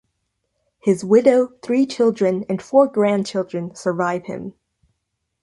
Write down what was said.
His widow, three children, and four grandchildren survive him.